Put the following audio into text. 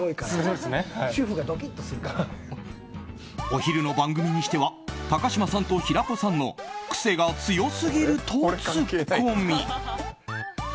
お昼の番組にしては高嶋さんと平子さんのクセが強すぎるとツッコミ。